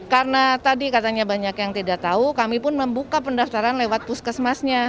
karena tadi katanya banyak yang tidak tahu kami pun membuka pendaftaran lewat puskesmasnya